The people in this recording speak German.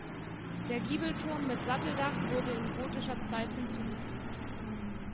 Der Giebelturm mit Satteldach wurde in gotischer Zeit hinzugefügt.